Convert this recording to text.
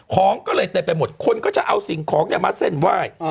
ของก็เลยเต็มไปหมดคนก็จะเอาสิ่งของมาเส้นไหว้